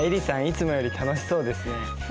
いつもより楽しそうですね。